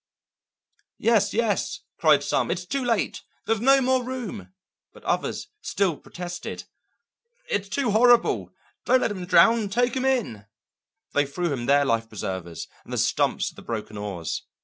"Yes, yes," cried some. "It's too late! there's no more room!" But others still protested. "It's too horrible; don't let him drown; take him in." They threw him their life preservers and the stumps of the broken oars.